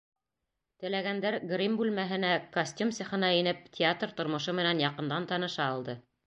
Теләгәндәр гримм бүлмәһенә, костюм цехына инеп, театр тормошо менән яҡындан таныша алды.